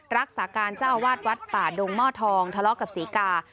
รักษาการเจ้าอาวาสวัดป่าดงหม้อทองทะเลาะกับศรีกา